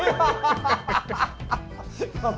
ハハハハッ！